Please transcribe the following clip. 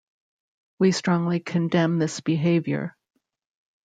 We strongly condemn this behaviour.